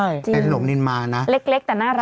น้ำนิลมาเล็กแต่น่ารัก